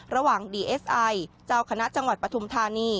ระหว่างดีเอสไอเจ้าคณะจังหวัดปฐุมธานี